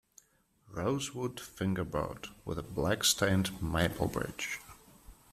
Rosewood Fingerboard, with a Black-Stained Maple bridge.